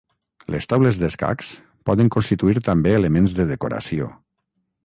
Les taules d'escacs poden constituir també elements de decoració.